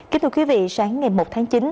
kính thưa quý vị sáng ngày một tháng chín